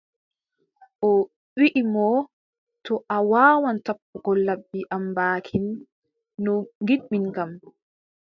O wiʼi mo : to a waawan tappugo laɓi am baakin no ngiɗmin kam,